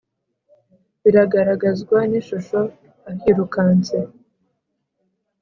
Biragaragazwa n’ishusho ahirukanse